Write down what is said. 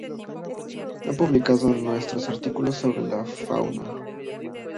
Ha publicado numerosos artículos sobre la fauna.